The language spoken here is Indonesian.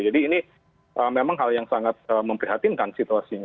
jadi ini memang hal yang sangat memprihatinkan sih